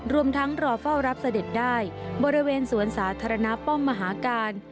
รวมทั้งรอเฝ้ารับเสด็จได้บริเวณสวนสาธารณะป้อมมหาการ